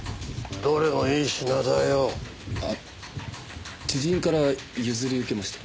あっ知人から譲り受けまして。